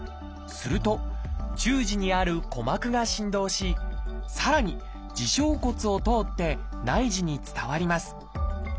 すると中耳にある「鼓膜」が振動しさらに「耳小骨」を通って内耳に伝わります。